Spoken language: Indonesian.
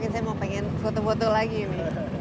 saya mau pengen foto foto lagi ini